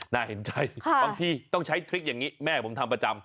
น่าเห็นใจบางทีต้องใช้ทริคอย่างนี้แม่ผมทำประจำ